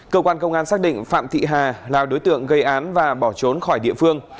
cơ quan công an xác định phạm thị hà là đối tượng gây án và bỏ trốn khỏi địa phương